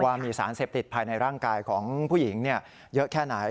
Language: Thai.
ว่ามีสารเสพติดภายในร่างกายของผู้หญิงเยอะแค่ไหน